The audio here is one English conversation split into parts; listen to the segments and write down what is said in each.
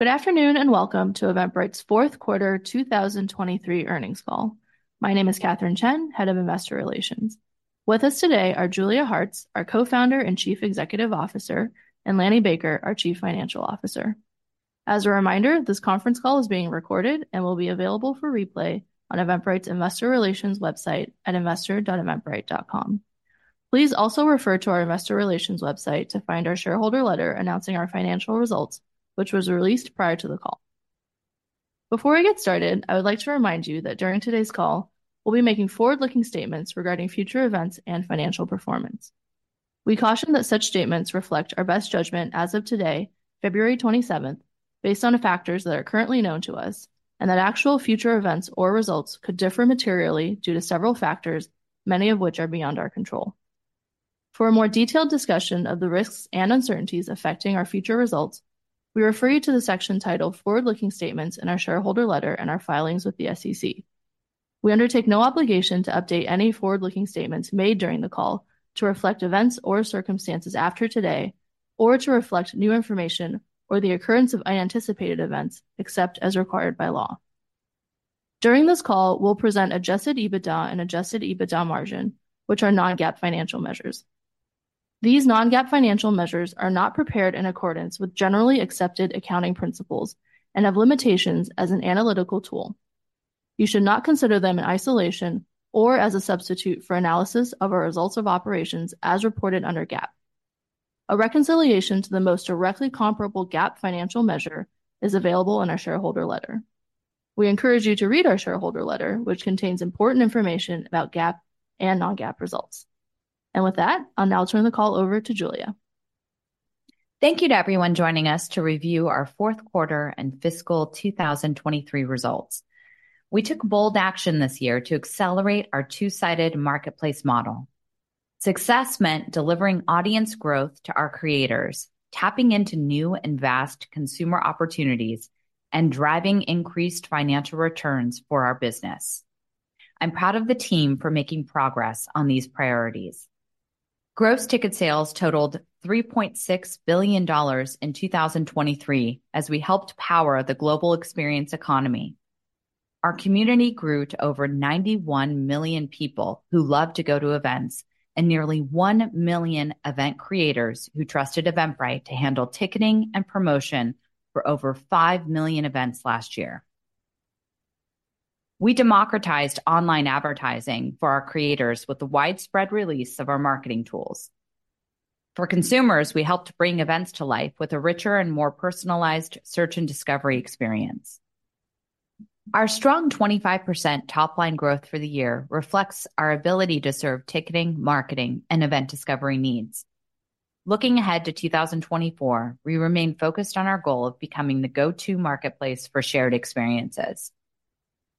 Good afternoon and welcome to Eventbrite's fourth quarter 2023 earnings call. My name is Katherine Chen, Head of Investor Relations. With us today are Julia Hartz, our Co-Founder and Chief Executive Officer, and Lanny Baker, our Chief Financial Officer. As a reminder, this conference call is being recorded and will be available for replay on Eventbrite's Investor Relations website at investor.eventbrite.com. Please also refer to our Investor Relations website to find our shareholder letter announcing our financial results, which was released prior to the call. Before we get started, I would like to remind you that during today's call we'll be making forward-looking statements regarding future events and financial performance. We caution that such statements reflect our best judgment as of today, February 27th, based on factors that are currently known to us, and that actual future events or results could differ materially due to several factors, many of which are beyond our control. For a more detailed discussion of the risks and uncertainties affecting our future results, we refer you to the section titled Forward-Looking Statements in our shareholder letter and our filings with the SEC. We undertake no obligation to update any forward-looking statements made during the call to reflect events or circumstances after today, or to reflect new information or the occurrence of unanticipated events except as required by law. During this call we'll present adjusted EBITDA and adjusted EBITDA margin, which are non-GAAP financial measures. These non-GAAP financial measures are not prepared in accordance with generally accepted accounting principles and have limitations as an analytical tool. You should not consider them in isolation or as a substitute for analysis of our results of operations as reported under GAAP. A reconciliation to the most directly comparable GAAP financial measure is available in our shareholder letter. We encourage you to read our shareholder letter, which contains important information about GAAP and non-GAAP results. With that, I'll now turn the call over to Julia. Thank you to everyone joining us to review our fourth quarter and Fiscal 2023 results. We took bold action this year to accelerate our two-sided marketplace model. Success meant delivering audience growth to our creators, tapping into new and vast consumer opportunities, and driving increased financial returns for our business. I'm proud of the team for making progress on these priorities. Gross ticket sales totaled $3.6 billion in 2023 as we helped power the global experience economy. Our community grew to over 91 million people who love to go to events and nearly 1 million event creators who trusted Eventbrite to handle ticketing and promotion for over 5 million events last year. We democratized online advertising for our creators with the widespread release of our marketing tools. For consumers, we helped bring events to life with a richer and more personalized search and discovery experience. Our strong 25% top-line growth for the year reflects our ability to serve ticketing, marketing, and event discovery needs. Looking ahead to 2024, we remain focused on our goal of becoming the go-to marketplace for shared experiences.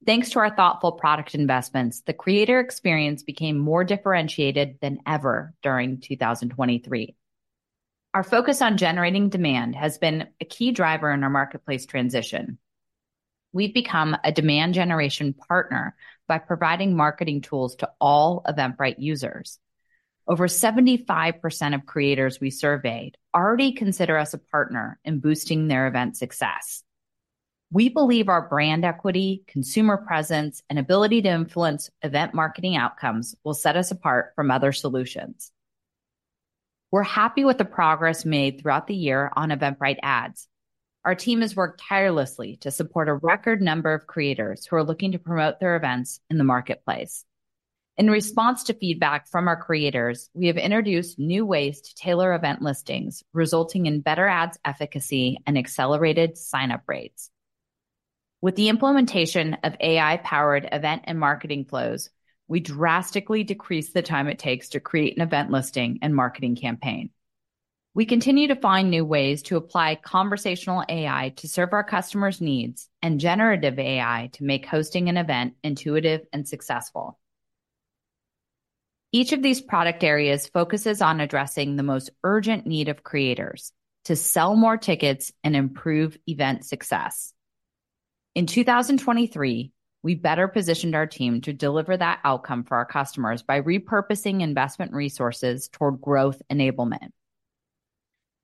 Thanks to our thoughtful product investments, the creator experience became more differentiated than ever during 2023. Our focus on generating demand has been a key driver in our marketplace transition. We've become a demand generation partner by providing marketing tools to all Eventbrite users. Over 75% of creators we surveyed already consider us a partner in boosting their event success. We believe our brand equity, consumer presence, and ability to influence event marketing outcomes will set us apart from other solutions. We're happy with the progress made throughout the year on Eventbrite Ads. Our team has worked tirelessly to support a record number of creators who are looking to promote their events in the marketplace. In response to feedback from our creators, we have introduced new ways to tailor event listings, resulting in better ads efficacy and accelerated sign-up rates. With the implementation of AI-powered event and marketing flows, we drastically decreased the time it takes to create an event listing and marketing campaign. We continue to find new ways to apply conversational AI to serve our customers' needs and generative AI to make hosting an event intuitive and successful. Each of these product areas focuses on addressing the most urgent need of creators: to sell more tickets and improve event success. In 2023, we better positioned our team to deliver that outcome for our customers by repurposing investment resources toward growth enablement.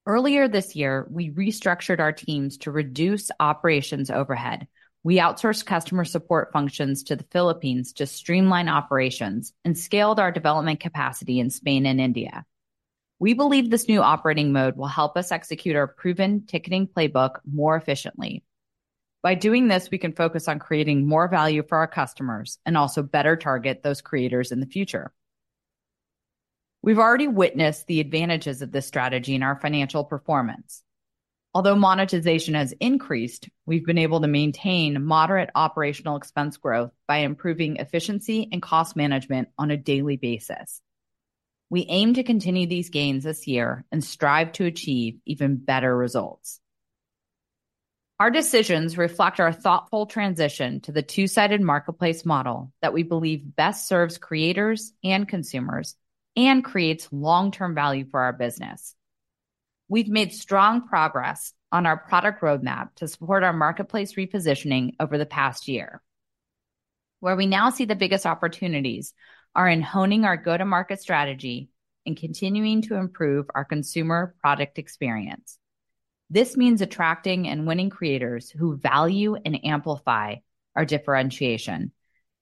Earlier this year, we restructured our teams to reduce operations overhead. We outsourced customer support functions to the Philippines to streamline operations and scaled our development capacity in Spain and India. We believe this new operating mode will help us execute our proven ticketing playbook more efficiently. By doing this, we can focus on creating more value for our customers and also better target those creators in the future. We've already witnessed the advantages of this strategy in our financial performance. Although monetization has increased, we've been able to maintain moderate operational expense growth by improving efficiency and cost management on a daily basis. We aim to continue these gains this year and strive to achieve even better results. Our decisions reflect our thoughtful transition to the two-sided marketplace model that we believe best serves creators and consumers and creates long-term value for our business. We've made strong progress on our product roadmap to support our marketplace repositioning over the past year. Where we now see the biggest opportunities are in honing our go-to-market strategy and continuing to improve our consumer product experience. This means attracting and winning creators who value and amplify our differentiation.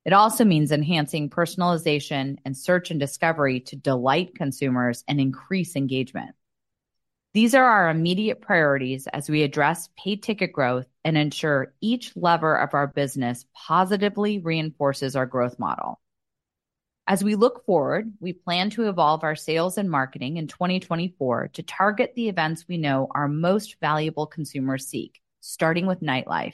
It also means enhancing personalization and search and discovery to delight consumers and increase engagement. These are our immediate priorities as we address paid ticket growth and ensure each lever of our business positively reinforces our growth model. As we look forward, we plan to evolve our sales and marketing in 2024 to target the events we know our most valuable consumers seek, starting with nightlife.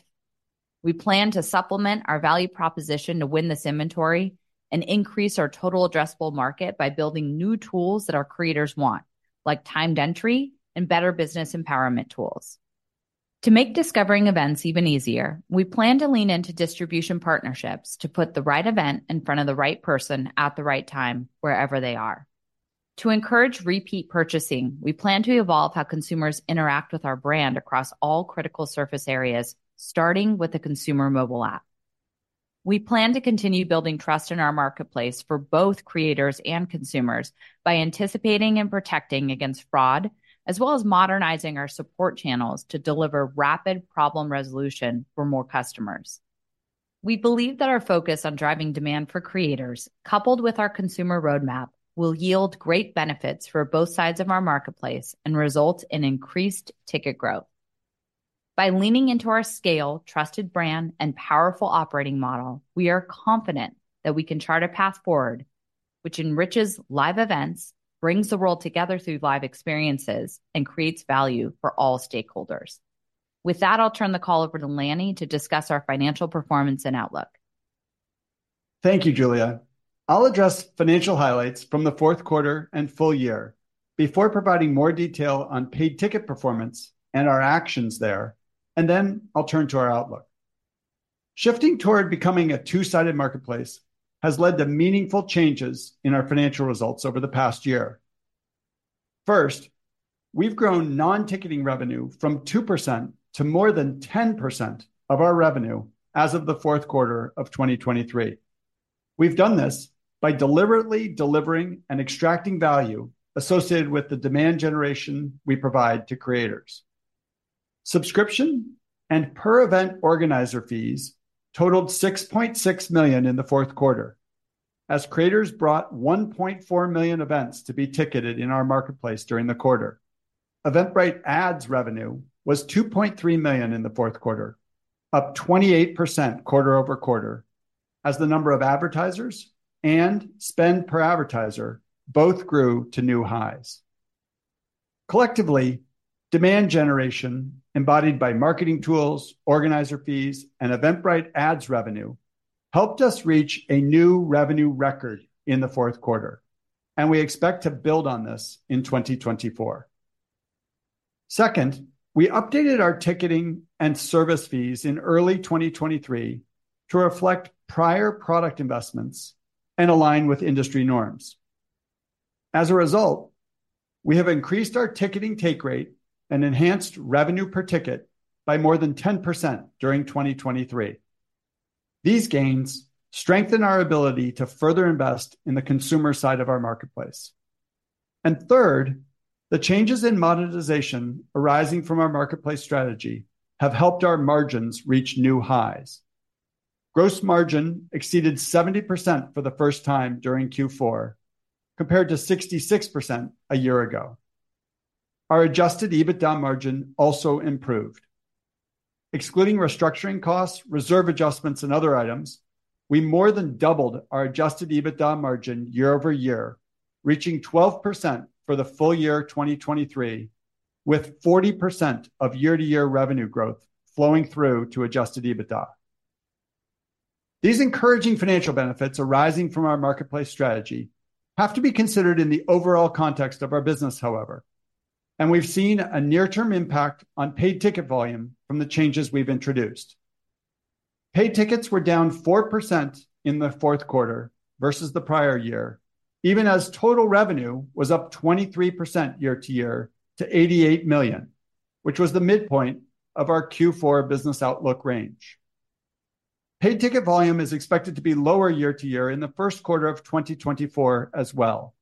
We plan to supplement our value proposition to win this inventory and increase our total addressable market by building new tools that our creators want, like timed entry and better business empowerment tools. To make discovering events even easier, we plan to lean into distribution partnerships to put the right event in front of the right person at the right time, wherever they are. To encourage repeat purchasing, we plan to evolve how consumers interact with our brand across all critical surface areas, starting with the consumer mobile app. We plan to continue building trust in our marketplace for both creators and consumers by anticipating and protecting against fraud, as well as modernizing our support channels to deliver rapid problem resolution for more customers. We believe that our focus on driving demand for creators, coupled with our consumer roadmap, will yield great benefits for both sides of our marketplace and result in increased ticket growth. By leaning into our scale, trusted brand, and powerful operating model, we are confident that we can chart a path forward, which enriches live events, brings the world together through live experiences, and creates value for all stakeholders. With that, I'll turn the call over to Lanny to discuss our financial performance and outlook. Thank you, Julia. I'll address financial highlights from the fourth quarter and full-year before providing more detail on paid ticket performance and our actions there, and then I'll turn to our outlook. Shifting toward becoming a two-sided marketplace has led to meaningful changes in our financial results over the past year. First, we've grown non-ticketing revenue from 2% to more than 10% of our revenue as of the fourth quarter of 2023. We've done this by deliberately delivering and extracting value associated with the demand generation we provide to creators. Subscription and per-event organizer fees totaled $6.6 million in the fourth quarter, as creators brought 1.4 million events to be ticketed in our marketplace during the quarter. Eventbrite Ads revenue was $2.3 million in the fourth quarter, up 28% quarter-over-quarter, as the number of advertisers and spend per advertiser both grew to new highs. Collectively, demand generation embodied by marketing tools, organizer fees, and Eventbrite Ads revenue helped us reach a new revenue record in the fourth quarter, and we expect to build on this in 2024. Second, we updated our ticketing and service fees in early 2023 to reflect prior product investments and align with industry norms. As a result, we have increased our ticketing take rate and enhanced revenue per ticket by more than 10% during 2023. These gains strengthen our ability to further invest in the consumer side of our marketplace. And third, the changes in monetization arising from our marketplace strategy have helped our margins reach new highs. Gross margin exceeded 70% for the first time during Q4, compared to 66% a year ago. Our adjusted EBITDA margin also improved. Excluding restructuring costs, reserve adjustments, and other items, we more than doubled our adjusted EBITDA margin year-over-year, reaching 12% for the full-year 2023, with 40% of year-to-year revenue growth flowing through to Adjusted EBITDA. These encouraging financial benefits arising from our marketplace strategy have to be considered in the overall context of our business, however, and we've seen a near-term impact on paid ticket volume from the changes we've introduced. Paid tickets were down 4% in the fourth quarter versus the prior year, even as total revenue was up 23% year-to-year to $88 million, which was the midpoint of our Q4 business outlook range. Paid ticket volume is expected to be lower year-to-year in the first quarter of 2024 as well,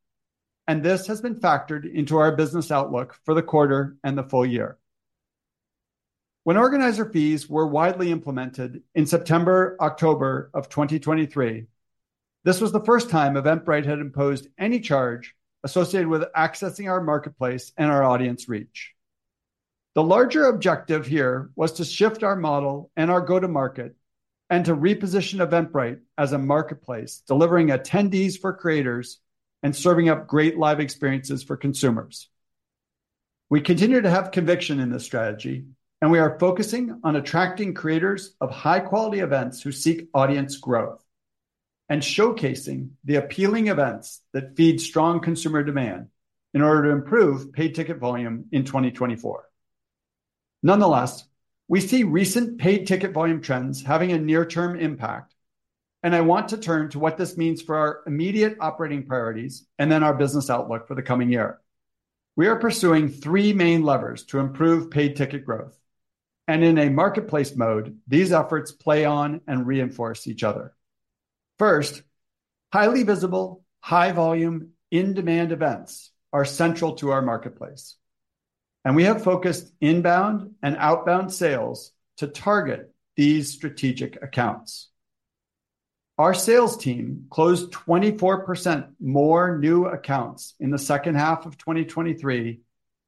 and this has been factored into our business outlook for the quarter and the full-year. When organizer fees were widely implemented in September/October of 2023, this was the first time Eventbrite had imposed any charge associated with accessing our marketplace and our audience reach. The larger objective here was to shift our model and our go-to-market and to reposition Eventbrite as a marketplace delivering attendees for creators and serving up great live experiences for consumers. We continue to have conviction in this strategy, and we are focusing on attracting creators of high-quality events who seek audience growth and showcasing the appealing events that feed strong consumer demand in order to improve paid ticket volume in 2024. Nonetheless, we see recent paid ticket volume trends having a near-term impact, and I want to turn to what this means for our immediate operating priorities and then our business outlook for the coming year. We are pursuing three main levers to improve paid ticket growth, and in a marketplace mode, these efforts play on and reinforce each other. First, highly visible, high-volume, in-demand events are central to our marketplace, and we have focused inbound and outbound sales to target these strategic accounts. Our sales team closed 24% more new accounts in the second half of 2023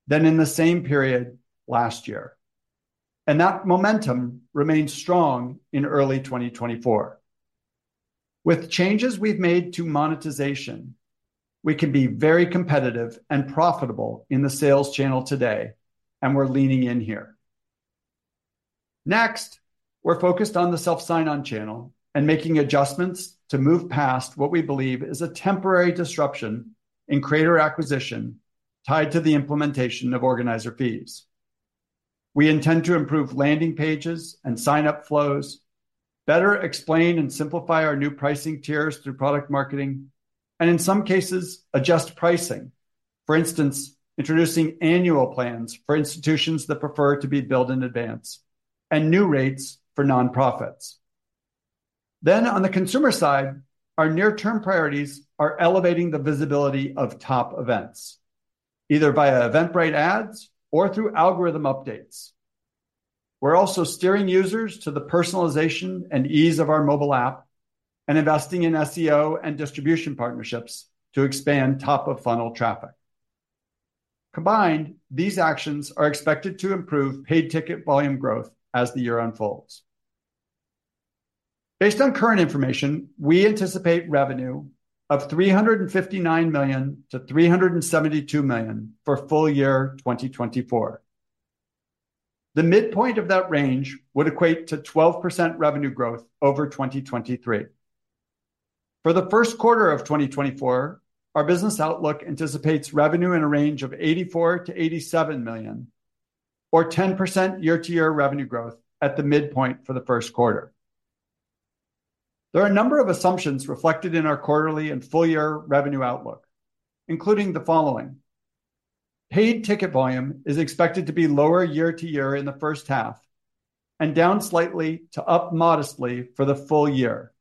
than in the same period last year, and that momentum remains strong in early 2024. With changes we've made to monetization, we can be very competitive and profitable in the sales channel today, and we're leaning in here. Next, we're focused on the self-sign-on channel and making adjustments to move past what we believe is a temporary disruption in creator acquisition tied to the implementation of organizer fees. We intend to improve landing pages and sign-up flows, better explain and simplify our new pricing tiers through product marketing, and in some cases, adjust pricing, for instance, introducing annual plans for institutions that prefer to be billed in advance and new rates for nonprofits. Then, on the consumer side, our near-term priorities are elevating the visibility of top events, either via Eventbrite Ads or through algorithm updates. We're also steering users to the personalization and ease of our mobile app and investing in SEO and distribution partnerships to expand top-of-funnel traffic. Combined, these actions are expected to improve paid ticket volume growth as the year unfolds. Based on current information, we anticipate revenue of $359 million-$372 million for full-year 2024. The midpoint of that range would equate to 12% revenue growth over 2023. For the first quarter of 2024, our business outlook anticipates revenue in a range of $84 million-$87 million, or 10% year-to-year revenue growth at the midpoint for the first quarter. There are a number of assumptions reflected in our quarterly and full-year revenue outlook, including the following: Paid ticket volume is expected to be lower year-to-year in the first half and down slightly to up modestly for the full-year.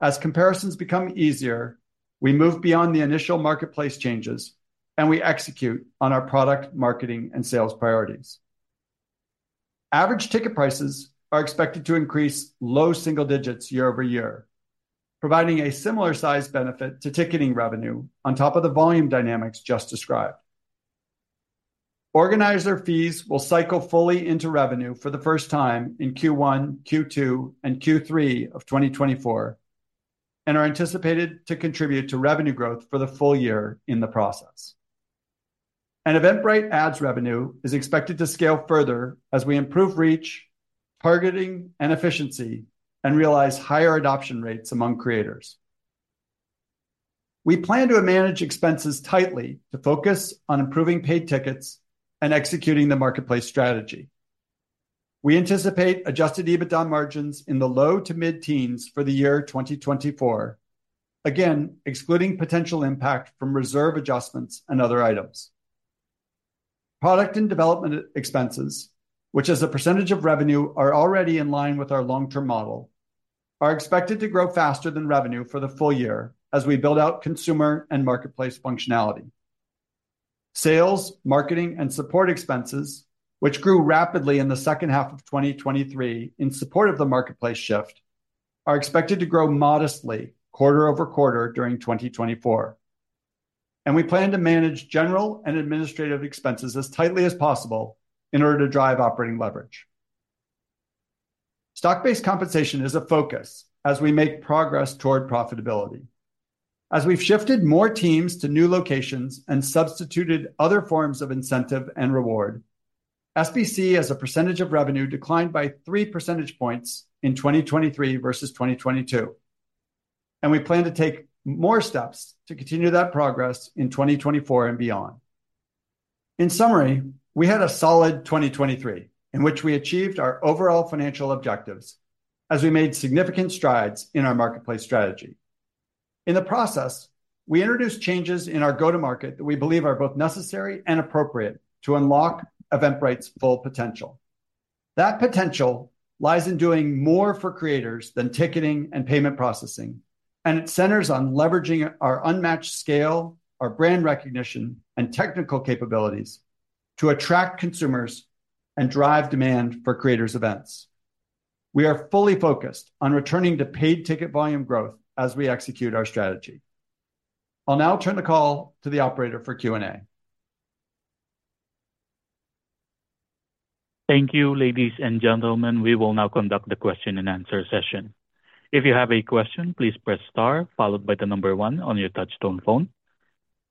As comparisons become easier, we move beyond the initial marketplace changes and we execute on our product, marketing, and sales priorities. Average ticket prices are expected to increase low-single-digits year-over-year, providing a similar-sized benefit to ticketing revenue on top of the volume dynamics just described. organizer fees will cycle fully into revenue for the first time in Q1, Q2, and Q3 of 2024 and are anticipated to contribute to revenue growth for the full-year in the process. Eventbrite Ads revenue is expected to scale further as we improve reach, targeting, and efficiency, and realize higher adoption rates among creators. We plan to manage expenses tightly to focus on improving paid tickets and executing the marketplace strategy. We anticipate adjusted EBITDA margins in the low to mid-teens for the year 2024, again excluding potential impact from reserve adjustments and other items. Product and development expenses, which as a percentage of revenue are already in line with our long-term model, are expected to grow faster than revenue for the full-year as we build out consumer and marketplace functionality. Sales, marketing, and support expenses, which grew rapidly in the second half of 2023 in support of the marketplace shift, are expected to grow modestly quarter-over-quarter during 2024, and we plan to manage general and administrative expenses as tightly as possible in order to drive operating leverage. Stock-based compensation is a focus as we make progress toward profitability. As we've shifted more teams to new locations and substituted other forms of incentive and reward, SBC as a percentage of revenue declined by 3% points in 2023 versus 2022, and we plan to take more steps to continue that progress in 2024 and beyond. In summary, we had a solid 2023 in which we achieved our overall financial objectives as we made significant strides in our marketplace strategy. In the process, we introduced changes in our go-to-market that we believe are both necessary and appropriate to unlock Eventbrite's full potential. That potential lies in doing more for creators than ticketing and payment processing, and it centers on leveraging our unmatched scale, our brand recognition, and technical capabilities to attract consumers and drive demand for creators' events. We are fully focused on returning to paid ticket volume growth as we execute our strategy. I'll now turn the call to the operator for Q&A. Thank you, ladies and gentlemen. We will now conduct the question-and-answer session. If you have a question, please press Star followed by the number one on your touch-tone phone.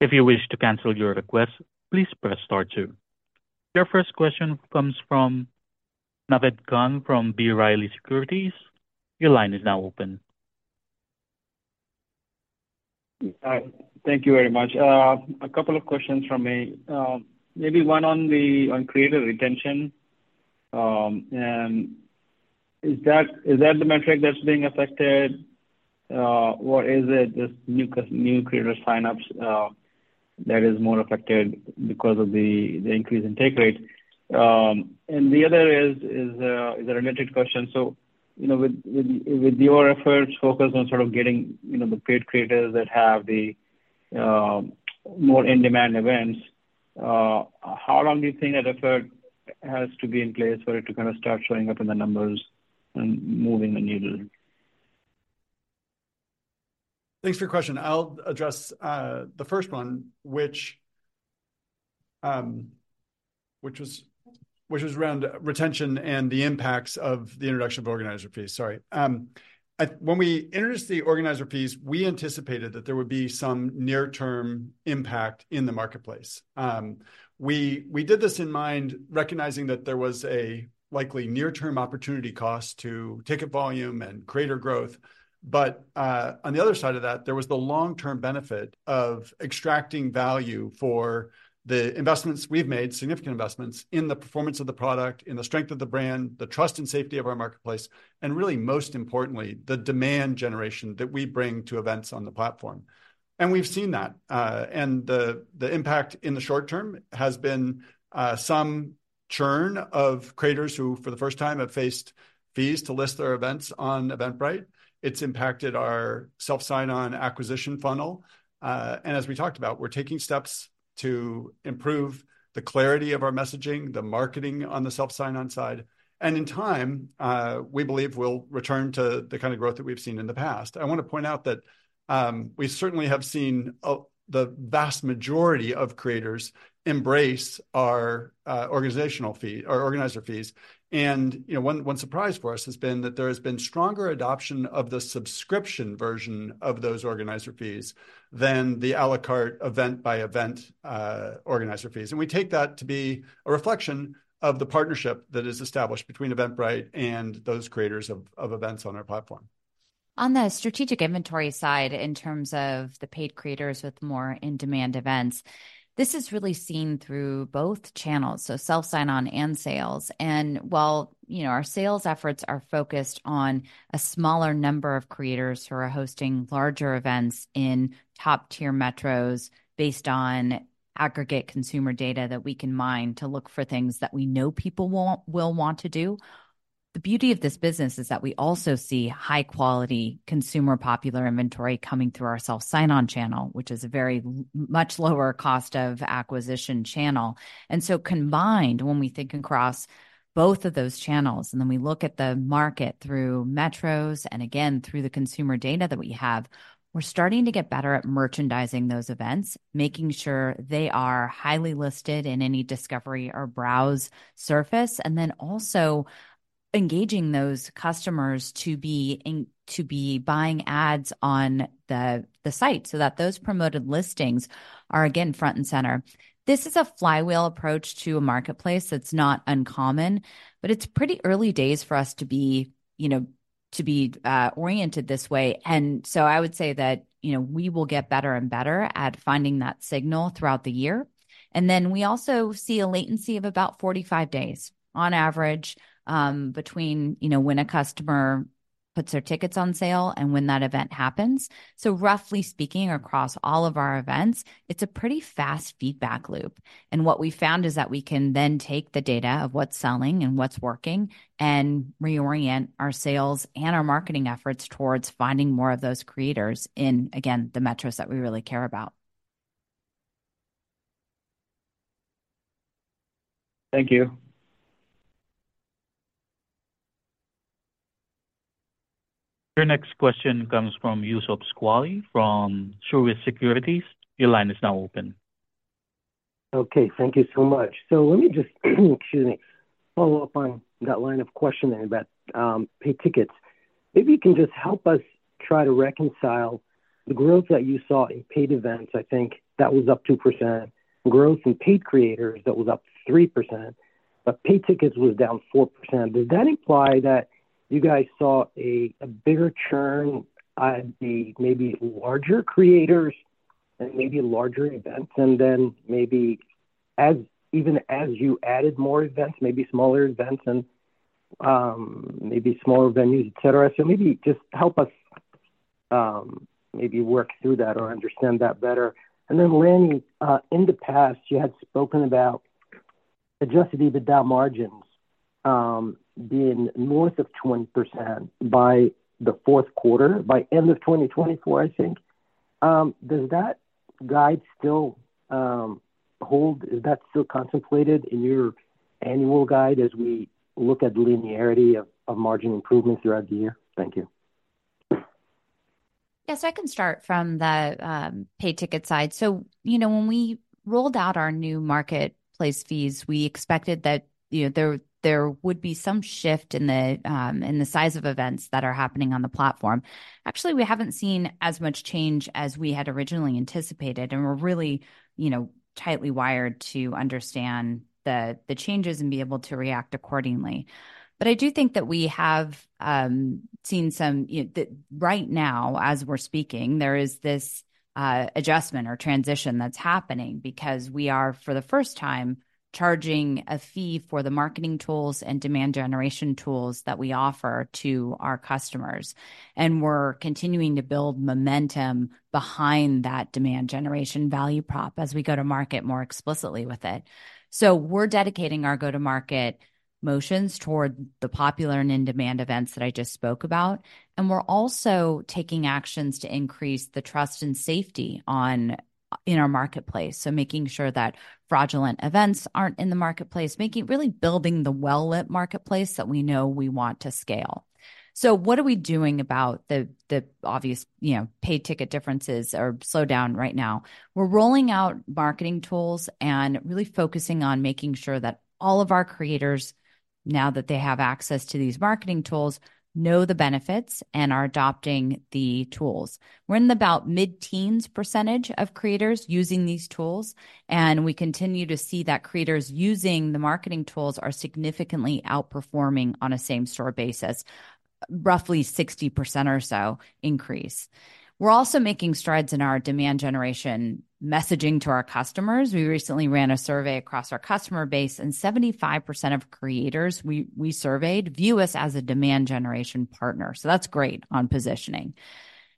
If you wish to cancel your request, please press Star two. Your first question comes from Naved Khan from B. Riley Securities. Your line is now open. Thank you very much. A couple of questions from me. Maybe one on creator retention. Is that the metric that's being affected, or is it just new creator sign-ups that are more affected because of the increase in take rate? And the other is a related question. So with your efforts focused on sort of getting the paid creators that have the more in-demand events, how long do you think that effort has to be in place for it to kind of start showing up in the numbers and moving the needle? Thanks for your question. I'll address the first one, which was around retention and the impacts of the introduction of organizer fees. Sorry. When we introduced the organizer fees, we anticipated that there would be some near-term impact in the marketplace. We did this in mind recognizing that there was a likely near-term opportunity cost to ticket volume and creator growth. But on the other side of that, there was the long-term benefit of extracting value for the investments we've made, significant investments, in the performance of the product, in the strength of the brand, the trust and safety of our marketplace, and really, most importantly, the demand generation that we bring to events on the platform. And we've seen that. And the impact in the short term has been some churn of creators who, for the first time, have faced fees to list their events on Eventbrite. It's impacted our self-sign-on acquisition funnel. As we talked about, we're taking steps to improve the clarity of our messaging, the marketing on the self-sign-on side. In time, we believe we'll return to the kind of growth that we've seen in the past. I want to point out that we certainly have seen the vast majority of creators embrace our organizer fees. One surprise for us has been that there has been stronger adoption of the subscription version of those organizer fees than the à la carte event-by-event organizer fees. We take that to be a reflection of the partnership that is established between Eventbrite and those creators of events on our platform. On the strategic inventory side in terms of the paid creators with more in-demand events, this is really seen through both channels, so self-sign-on and sales. And while our sales efforts are focused on a smaller number of creators who are hosting larger events in top-tier metros based on aggregate consumer data that we can mine to look for things that we know people will want to do, the beauty of this business is that we also see high-quality consumer popular inventory coming through our self-sign-on channel, which is a very much lower cost of acquisition channel. And so combined, when we think across both of those channels and then we look at the market through metros and again through the consumer data that we have, we're starting to get better at merchandising those events, making sure they are highly listed in any discovery or browse surface, and then also engaging those customers to be buying ads on the site so that those promoted listings are, again, front and center. This is a flywheel approach to a marketplace that's not uncommon, but it's pretty early days for us to be oriented this way. And so I would say that we will get better and better at finding that signal throughout the year. And then we also see a latency of about 45 days on average between when a customer puts their tickets on sale and when that event happens. Roughly speaking, across all of our events, it's a pretty fast feedback loop. What we found is that we can then take the data of what's selling and what's working and reorient our sales and our marketing efforts towards finding more of those creators in, again, the metros that we really care about. Thank you. Your next question comes from Youssef Squali from Truist Securities. Your line is now open. Okay. Thank you so much. So let me just follow up on that line of questioning about paid tickets. Maybe you can just help us try to reconcile the growth that you saw in paid events. I think that was up 2%, growth in paid creators that was up 3%, but paid tickets was down 4%. Does that imply that you guys saw a bigger churn at the maybe larger creators and maybe larger events and then maybe even as you added more events, maybe smaller events and maybe smaller venues, etc.? So maybe just help us maybe work through that or understand that better. And then, Lanny, in the past, you had spoken about adjusted EBITDA margins being north of 20% by the fourth quarter, by end of 2024, I think. Does that guide still hold? Is that still contemplated in your annual guide as we look at the linearity of margin improvements throughout the year? Thank you. Yeah. So I can start from the paid ticket side. So when we rolled out our new marketplace fees, we expected that there would be some shift in the size of events that are happening on the platform. Actually, we haven't seen as much change as we had originally anticipated, and we're really tightly wired to understand the changes and be able to react accordingly. But I do think that we have seen some. Right now, as we're speaking, there is this adjustment or transition that's happening because we are, for the first time, charging a fee for the marketing tools and demand generation tools that we offer to our customers. And we're continuing to build momentum behind that demand generation value prop as we go to market more explicitly with it. So we're dedicating our go-to-market motions toward the popular and in-demand events that I just spoke about. We're also taking actions to increase the trust and safety in our marketplace, so making sure that fraudulent events aren't in the marketplace, really building the well-lit marketplace that we know we want to scale. So what are we doing about the obvious paid ticket differences or slowdown right now? We're rolling out marketing tools and really focusing on making sure that all of our creators, now that they have access to these marketing tools, know the benefits and are adopting the tools. We're in about mid-teens percentage of creators using these tools, and we continue to see that creators using the marketing tools are significantly outperforming on a same-store basis, roughly 60% or so increase. We're also making strides in our demand generation messaging to our customers. We recently ran a survey across our customer base, and 75% of creators we surveyed view us as a demand generation partner. So that's great on positioning.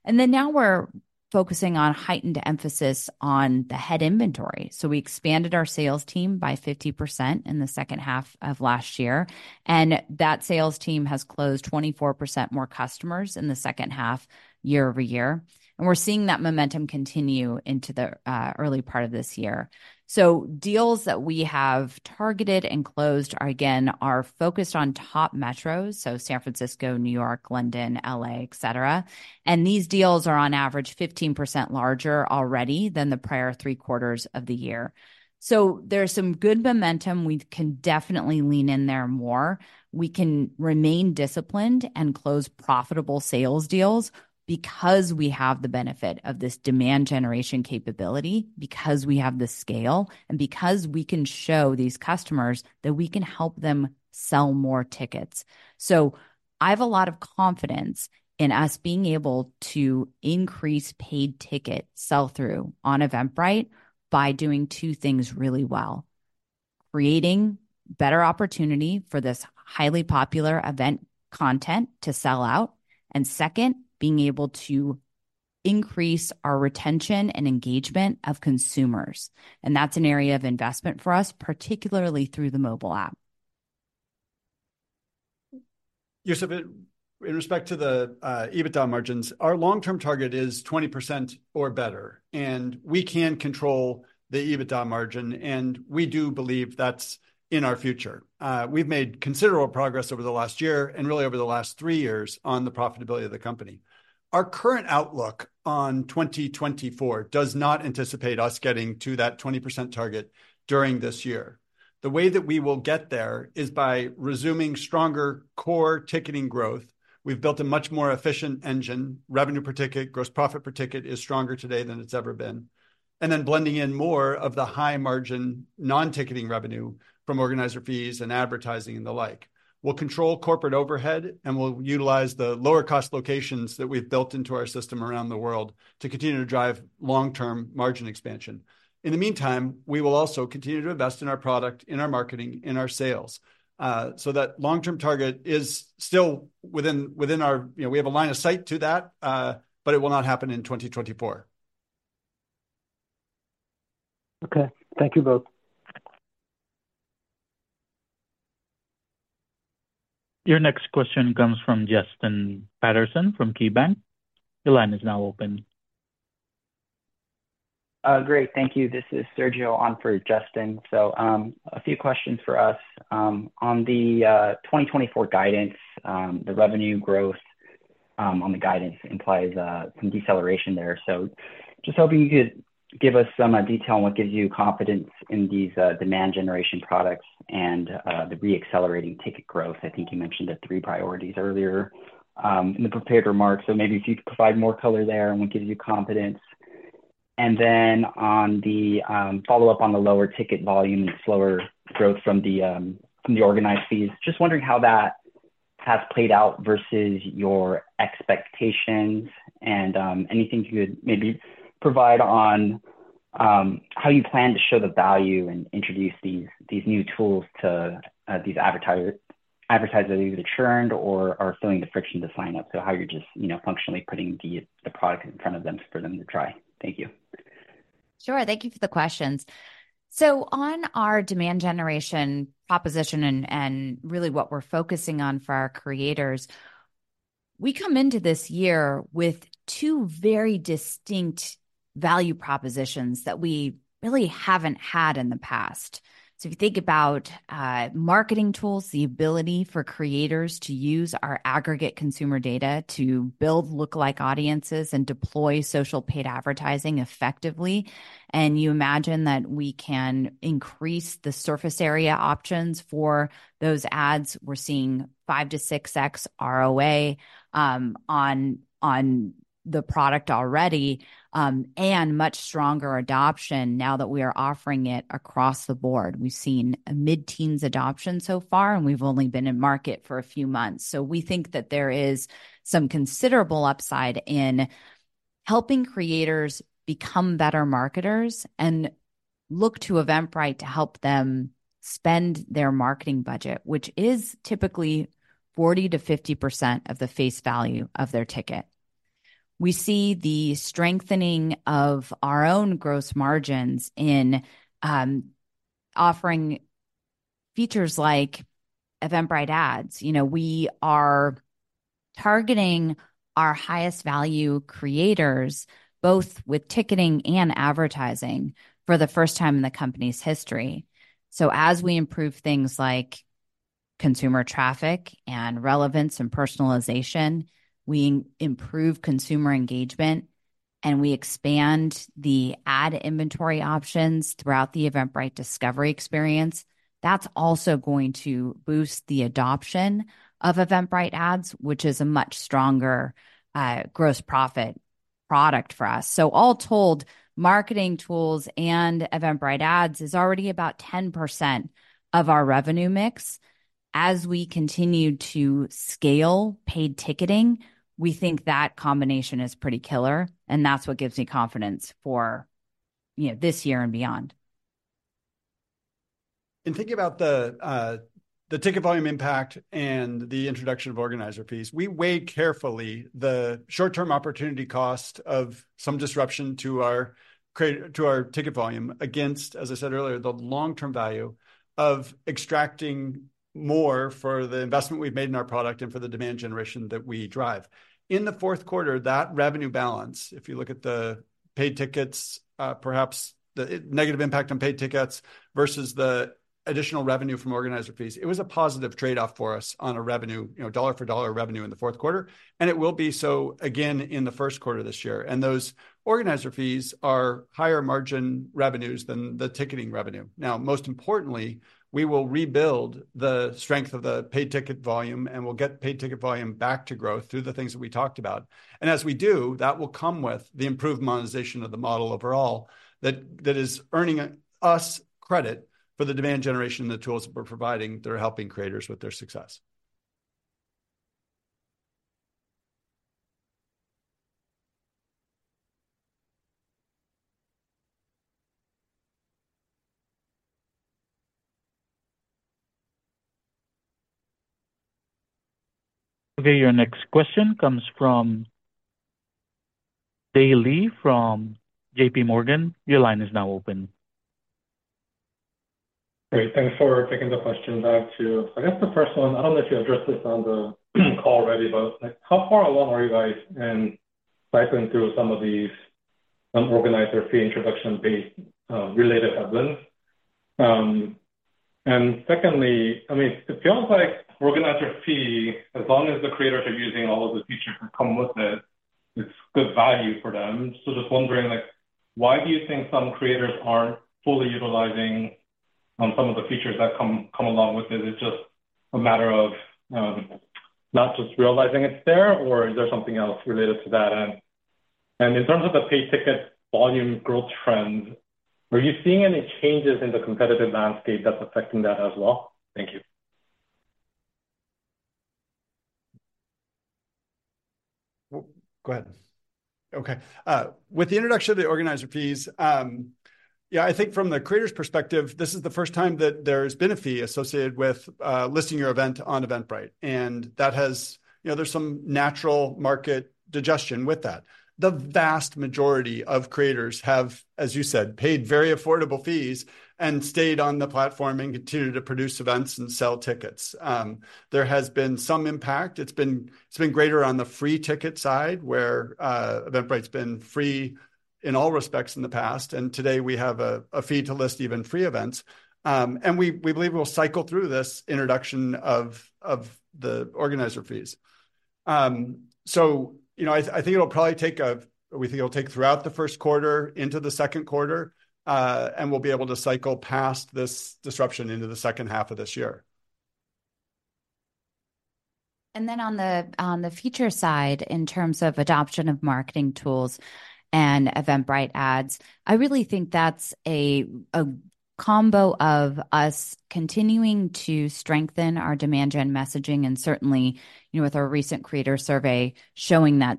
And then now we're focusing on heightened emphasis on the head inventory. So we expanded our sales team by 50% in the second half of last year, and that sales team has closed 24% more customers in the second half, year-over-year. And we're seeing that momentum continue into the early part of this year. So deals that we have targeted and closed are, again, focused on top metros, so San Francisco, New York, London, L.A., etc. And these deals are on average 15% larger already than the prior three quarters of the year. So there's some good momentum. We can definitely lean in there more. We can remain disciplined and close profitable sales deals because we have the benefit of this demand generation capability, because we have the scale, and because we can show these customers that we can help them sell more tickets. So I have a lot of confidence in us being able to increase paid ticket sell-through on Eventbrite by doing two things really well: creating better opportunity for this highly popular event content to sell out, and second, being able to increase our retention and engagement of consumers. And that's an area of investment for us, particularly through the mobile app. Youssef, in respect to the EBITDA margins, our long-term target is 20% or better. We can control the EBITDA margin, and we do believe that's in our future. We've made considerable progress over the last year and really over the last three years on the profitability of the company. Our current outlook on 2024 does not anticipate us getting to that 20% target during this year. The way that we will get there is by resuming stronger core ticketing growth. We've built a much more efficient engine. Revenue per ticket, gross profit per ticket is stronger today than it's ever been, and then blending in more of the high-margin non-ticketing revenue from organizer fees and advertising and the like. We'll control corporate overhead, and we'll utilize the lower-cost locations that we've built into our system around the world to continue to drive long-term margin expansion. In the meantime, we will also continue to invest in our product, in our marketing, in our sales. So that long-term target is still within our we have a line of sight to that, but it will not happen in 2024. Okay. Thank you both. Your next question comes from Justin Patterson from KeyBanc. Your line is now open. Great. Thank you. This is Sergio on for Justin. So a few questions for us. On the 2024 guidance, the revenue growth on the guidance implies some deceleration there. So just hoping you could give us some detail on what gives you confidence in these demand generation products and the re-accelerating ticket growth. I think you mentioned the three priorities earlier in the prepared remarks. So maybe if you could provide more color there on what gives you confidence. And then on the follow-up on the lower ticket volume and slower growth from the organizer fees, just wondering how that has played out versus your expectations and anything you could maybe provide on how you plan to show the value and introduce these new tools to these advertisers either churned or are feeling the friction to sign up, so how you're just functionally putting the product in front of them for them to try. Thank you. Sure. Thank you for the questions. So on our demand generation proposition and really what we're focusing on for our creators, we come into this year with two very distinct value propositions that we really haven't had in the past. So if you think about marketing tools, the ability for creators to use our aggregate consumer data to build lookalike audiences and deploy social paid advertising effectively, and you imagine that we can increase the surface area options for those ads, we're seeing 5x-6x ROAS on the product already, and much stronger adoption now that we are offering it across the board. We've seen a mid-teens adoption so far, and we've only been in market for a few months. So we think that there is some considerable upside in helping creators become better marketers and look to Eventbrite to help them spend their marketing budget, which is typically 40%-50% of the face value of their ticket. We see the strengthening of our own gross margins in offering features like Eventbrite Ads. We are targeting our highest value creators, both with ticketing and advertising, for the first time in the company's history. So as we improve things like consumer traffic and relevance and personalization, we improve consumer engagement, and we expand the ad inventory options throughout the Eventbrite discovery experience, that's also going to boost the adoption of Eventbrite Ads, which is a much stronger gross profit product for us. So all told, marketing tools and Eventbrite Ads is already about 10% of our revenue mix. As we continue to scale paid ticketing, we think that combination is pretty killer, and that's what gives me confidence for this year and beyond. Thinking about the ticket volume impact and the introduction of organizer fees, we weigh carefully the short-term opportunity cost of some disruption to our ticket volume against, as I said earlier, the long-term value of extracting more for the investment we've made in our product and for the demand generation that we drive. In the fourth quarter, that revenue balance, if you look at the paid tickets, perhaps the negative impact on paid tickets versus the additional revenue from organizer fees, it was a positive trade-off for us on a dollar-for-dollar revenue in the fourth quarter. It will be so, again, in the first quarter this year. Those organizer fees are higher-margin revenues than the ticketing revenue. Now, most importantly, we will rebuild the strength of the paid ticket volume, and we'll get paid ticket volume back to growth through the things that we talked about. As we do, that will come with the improved monetization of the model overall that is earning us credit for the demand generation and the tools that we're providing that are helping creators with their success. Okay. Your next question comes from Dae Lee from JPMorgan. Your line is now open. Great. Thanks for picking the questions out too. So I guess the first one, I don't know if you addressed this on the call already, but how far along are you guys in cycling through some of these organizer fee introduction-based related headlines? And secondly, I mean, it feels like organizer fee, as long as the creators are using all of the features that come with it, it's good value for them. So just wondering, why do you think some creators aren't fully utilizing some of the features that come along with it? Is it just a matter of not just realizing it's there, or is there something else related to that? And in terms of the paid ticket volume growth trends, are you seeing any changes in the competitive landscape that's affecting that as well? Thank you. Go ahead. Okay. With the introduction of the organizer fees, yeah, I think from the creator's perspective, this is the first time that there's been a fee associated with listing your event on Eventbrite. There's some natural market digestion with that. The vast majority of creators have, as you said, paid very affordable fees and stayed on the platform and continued to produce events and sell tickets. There has been some impact. It's been greater on the free ticket side where Eventbrite's been free in all respects in the past. Today, we have a fee to list even free events. We believe we'll cycle through this introduction of the organizer fees. So I think it'll probably take a we think it'll take throughout the first quarter into the second quarter, and we'll be able to cycle past this disruption into the second half of this year. And then on the feature side, in terms of adoption of marketing tools and Eventbrite Ads, I really think that's a combo of us continuing to strengthen our demand gen messaging and certainly with our recent creator survey showing that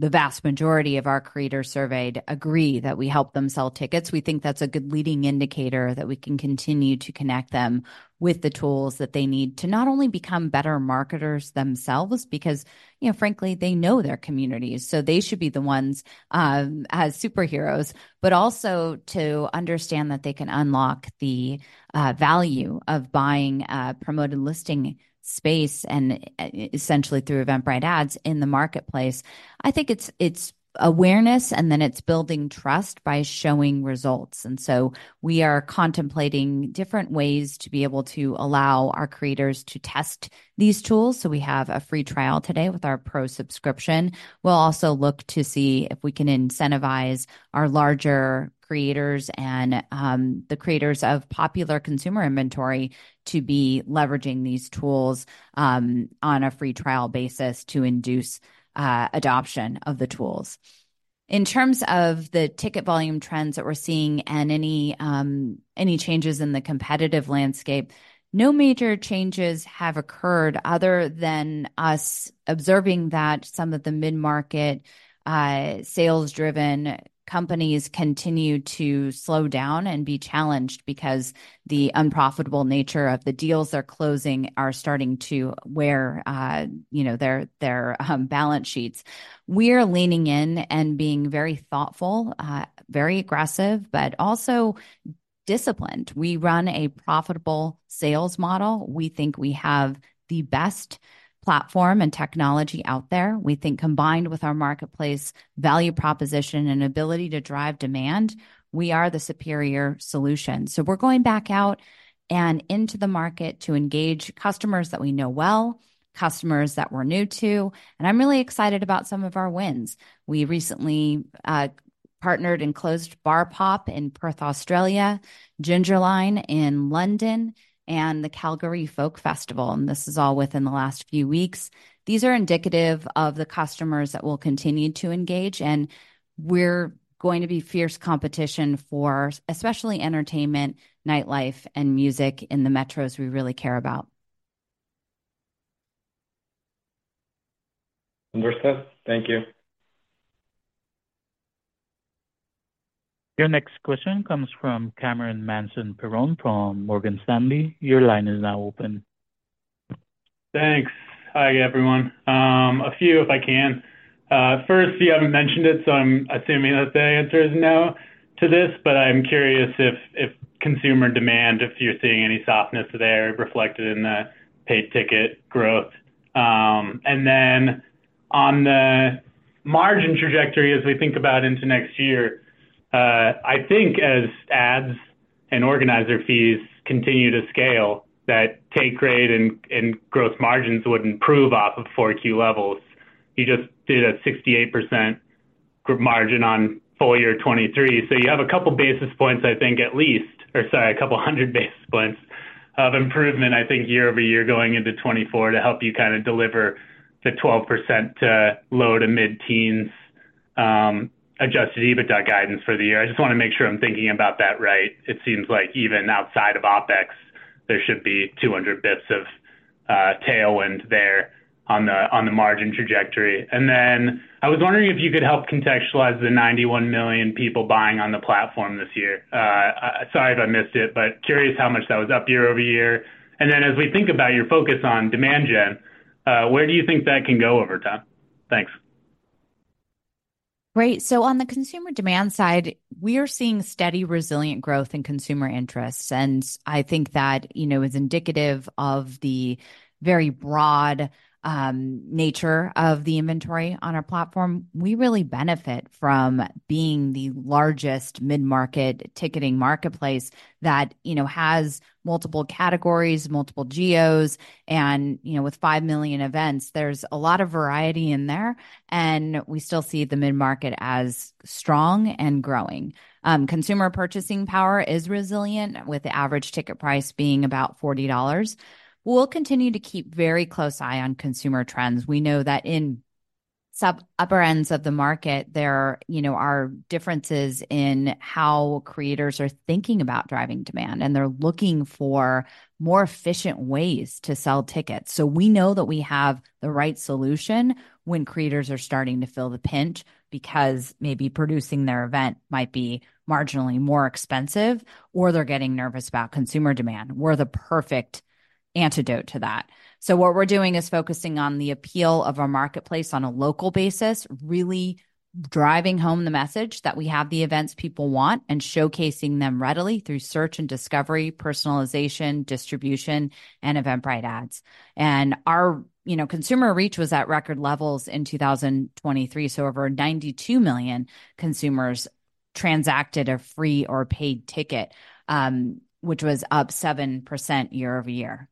the vast majority of our creators surveyed agree that we help them sell tickets. We think that's a good leading indicator that we can continue to connect them with the tools that they need to not only become better marketers themselves because, frankly, they know their communities, so they should be the ones as superheroes, but also to understand that they can unlock the value of buying promoted listing space and essentially through Eventbrite Ads in the marketplace. I think it's awareness, and then it's building trust by showing results. And so we are contemplating different ways to be able to allow our creators to test these tools. So we have a free trial today with our Pro subscription. We'll also look to see if we can incentivize our larger creators and the creators of popular consumer inventory to be leveraging these tools on a free trial basis to induce adoption of the tools. In terms of the ticket volume trends that we're seeing and any changes in the competitive landscape, no major changes have occurred other than us observing that some of the mid-market, sales-driven companies continue to slow down and be challenged because the unprofitable nature of the deals they're closing are starting to wear their balance sheets. We're leaning in and being very thoughtful, very aggressive, but also disciplined. We run a profitable sales model. We think we have the best platform and technology out there. We think combined with our marketplace value proposition and ability to drive demand, we are the superior solution. We're going back out and into the market to engage customers that we know well, customers that we're new to. I'm really excited about some of our wins. We recently partnered and closed Bar Pop in Perth, Australia, Gingerline in London, and the Calgary Folk Festival. This is all within the last few weeks. These are indicative of the customers that will continue to engage. We're going to be fierce competition for especially entertainment, nightlife, and music in the metros we really care about. Understood. Thank you. Your next question comes from Cameron Mansson-Perrone from Morgan Stanley. Your line is now open. Thanks. Hi, everyone. A few, if I can. First, you haven't mentioned it, so I'm assuming that the answer is no to this, but I'm curious if consumer demand, if you're seeing any softness there reflected in the paid ticket growth. And then on the margin trajectory as we think about into next year, I think as Ads and organizer fees continue to scale. That take rate and gross margins would improve off of 4Q levels. You just did a 68% margin on full-year 2023. So you have a couple of basis points, I think, at least or sorry, a couple of hundred basis points of improvement, I think, year-over-year going into 2024 to help you kind of deliver the 12% to low-to-mid-teens adjusted EBITDA guidance for the year. I just want to make sure I'm thinking about that right. It seems like even outside of OpEx, there should be 200 basis points of tailwind there on the margin trajectory. And then I was wondering if you could help contextualize the 91 million people buying on the platform this year. Sorry if I missed it, but curious how much that was up year-over-year. And then as we think about your focus on demand gen, where do you think that can go over time? Thanks. Great. So on the consumer demand side, we are seeing steady, resilient growth in consumer interest. And I think that is indicative of the very broad nature of the inventory on our platform. We really benefit from being the largest mid-market ticketing marketplace that has multiple categories, multiple geos. And with 5 million events, there's a lot of variety in there. And we still see the mid-market as strong and growing. Consumer purchasing power is resilient with the average ticket price being about $40. We'll continue to keep a very close eye on consumer trends. We know that in sub-upper ends of the market, there are differences in how creators are thinking about driving demand, and they're looking for more efficient ways to sell tickets. So we know that we have the right solution when creators are starting to feel the pinch because maybe producing their event might be marginally more expensive or they're getting nervous about consumer demand. We're the perfect antidote to that. So what we're doing is focusing on the appeal of our marketplace on a local basis, really driving home the message that we have the events people want and showcasing them readily through search and discovery, personalization, distribution, and Eventbrite Ads. And our consumer reach was at record levels in 2023. So over 92 million consumers transacted a free or paid ticket, which was up 7% year-over-year.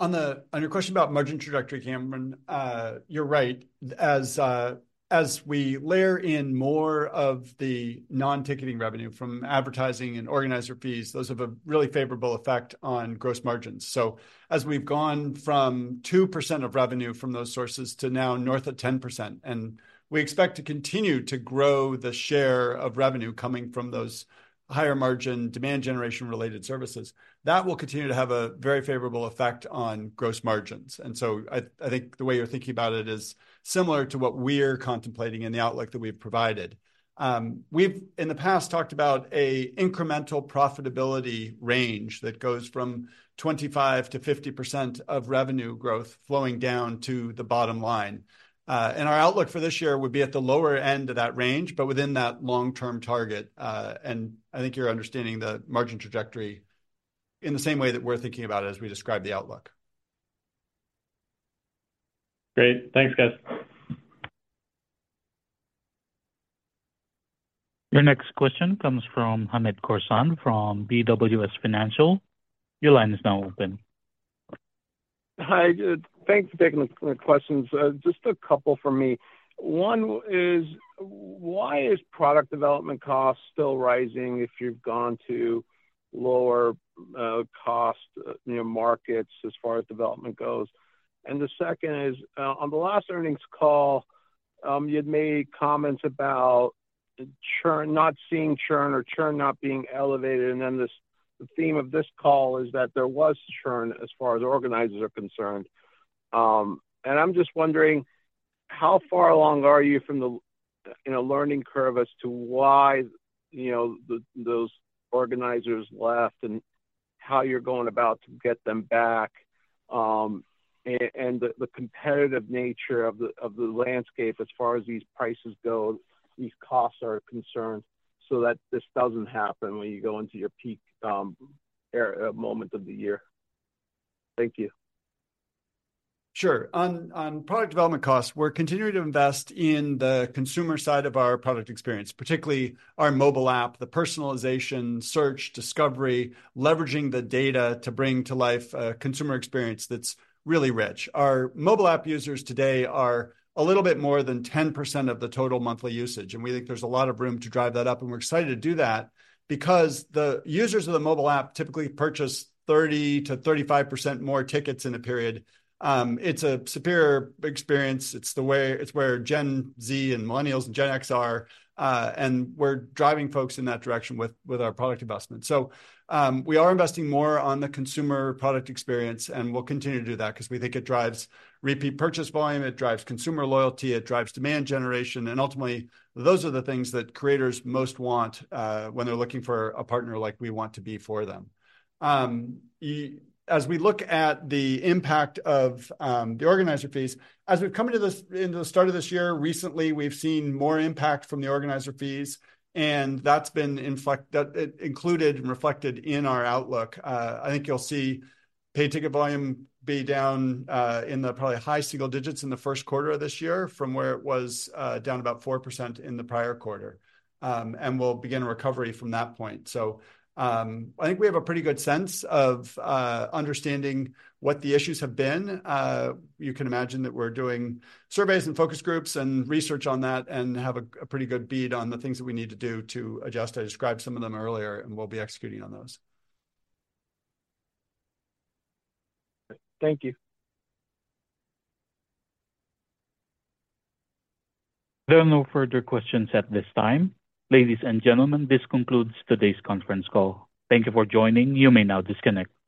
On your question about margin trajectory, Cameron, you're right. As we layer in more of the non-ticketing revenue from advertising and organizer fees, those have a really favorable effect on gross margins. So as we've gone from 2% of revenue from those sources to now north of 10%, and we expect to continue to grow the share of revenue coming from those higher-margin demand generation-related services, that will continue to have a very favorable effect on gross margins. And so I think the way you're thinking about it is similar to what we're contemplating in the outlook that we've provided. We've, in the past, talked about an incremental profitability range that goes from 25%-50% of revenue growth flowing down to the bottom line. And our outlook for this year would be at the lower end of that range, but within that long-term target. I think you're understanding the margin trajectory in the same way that we're thinking about it as we describe the outlook. Great. Thanks, guys. Your next question comes from Hamid Khorsand from BWS Financial. Your line is now open. Hi. Thanks for taking the questions. Just a couple for me. One is, why is product development cost still rising if you've gone to lower-cost markets as far as development goes? And the second is, on the last earnings call, you had made comments about not seeing churn or churn not being elevated. And then the theme of this call is that there was churn as far as organizers are concerned. And I'm just wondering, how far along are you from the learning curve as to why those organizers left and how you're going about to get them back and the competitive nature of the landscape as far as these prices go, these costs are concerned so that this doesn't happen when you go into your peak moment of the year? Thank you. Sure. On product development costs, we're continuing to invest in the consumer side of our product experience, particularly our mobile app, the personalization, search, discovery, leveraging the data to bring to life a consumer experience that's really rich. Our mobile app users today are a little bit more than 10% of the total monthly usage. And we think there's a lot of room to drive that up. And we're excited to do that because the users of the mobile app typically purchase 30%-35% more tickets in a period. It's a superior experience. It's where Gen Z and millennials and Gen X are. And we're driving folks in that direction with our product investment. So we are investing more on the consumer product experience. And we'll continue to do that because we think it drives repeat purchase volume. It drives consumer loyalty. It drives demand generation. Ultimately, those are the things that creators most want when they're looking for a partner like we want to be for them. As we look at the impact of the organizer fees, as we've come into the start of this year, recently, we've seen more impact from the organizer fees. That's been included and reflected in our outlook. I think you'll see paid ticket volume be down in the probably high single digits in the first quarter of this year from where it was down about 4% in the prior quarter. We'll begin a recovery from that point. So I think we have a pretty good sense of understanding what the issues have been. You can imagine that we're doing surveys and focus groups and research on that and have a pretty good bead on the things that we need to do to adjust. I described some of them earlier, and we'll be executing on those. Thank you. There are no further questions at this time. Ladies and gentlemen, this concludes today's conference call. Thank you for joining. You may now disconnect.